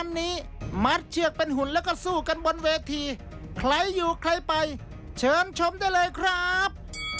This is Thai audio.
แล้วก็สู้กันบนเวทีใครอยู่ใครไปเชิญชมได้เลยครับ